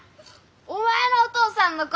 お前のお父さんの声。